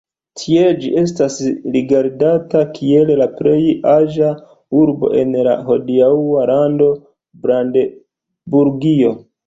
Tiel ĝi estas rigardata kiel la plej aĝa urbo en la hodiaŭa lando Brandenburgio.